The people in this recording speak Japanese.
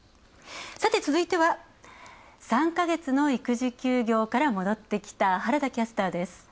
さて続いては、３ヶ月の育児休業から戻ってきた原田キャスターです。